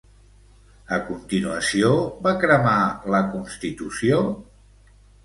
A continuació va cremar la constitució?